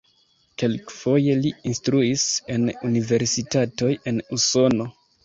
Kelkfoje li instruis en universitatoj en Usono.